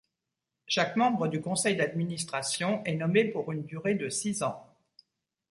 Chaque membre du conseil d'administration est nommé pour une durée de six ans.